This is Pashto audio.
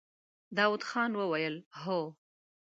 داوود خان وويل: هو!